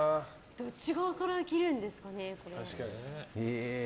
どっち側から切るんですかね。